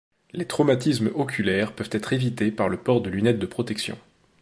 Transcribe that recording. Les traumatismes oculaires peuvent être évités par le port de lunettes de protection.